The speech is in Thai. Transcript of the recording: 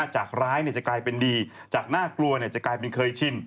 จากร้ายจะกลายเป็นดีจากน่ากลัวจะกลายเป็นเคยชิน